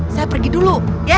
saya pergi dulu ya